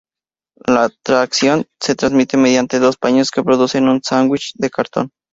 La tracción se transmite mediante dos paños que producen un sándwich de cartón.